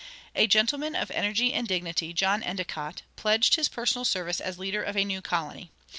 A gentleman of energy and dignity, John Endicott, pledged his personal service as leader of a new colony.